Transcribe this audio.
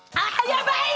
やばい！